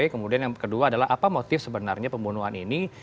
kemudian yang kedua adalah apa motif sebenarnya pembunuhan ini